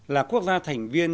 là quốc gia thành viên